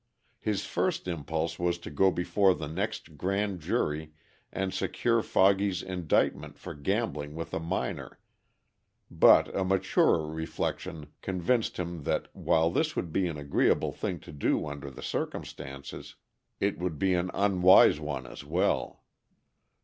His first impulse was to go before the next grand jury and secure Foggy's indictment for gambling with a minor, but a maturer reflection convinced him that while this would be an agreeable thing to do under the circumstances, it would be an unwise one as well.